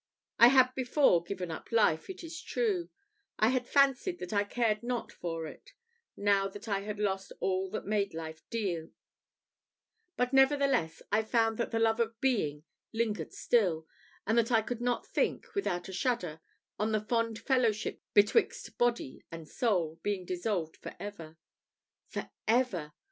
I had before given up life, it is true I had fancied that I cared not for it, now that I had lost all that made life deal but, nevertheless, I found that the love of being lingered still, and that I could not think, without a shudder, on the fond fellowship betwixt body and soul being dissolved for ever. For ever!